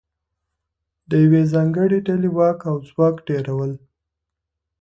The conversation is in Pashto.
د یوې ځانګړې ډلې واک او ځواک ډېرول